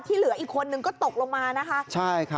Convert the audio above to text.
ที่เหลืออีกคนนึงก็ตกลงมานะคะใช่ครับ